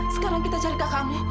sekarang kita cari kakakmu